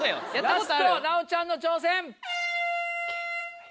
ラスト奈央ちゃんの挑戦！